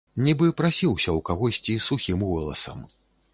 Нібы прасіўся ў кагосьці сухім голасам.